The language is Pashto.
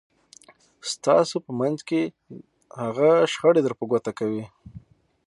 ستاسو په داخل کې هغه شخړې در په ګوته کوي.